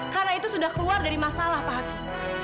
karena itu sudah keluar dari masalah pak hakim